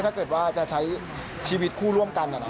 ถ้าเกิดว่าจะใช้ชีวิตคู่ร่วมกัน